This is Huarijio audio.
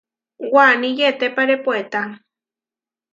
Waní yetépare puetá.